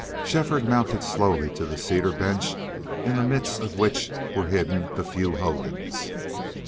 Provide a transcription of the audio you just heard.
Shefford mounted slowly to the cedar bench in the midst of which were hidden the few hogans.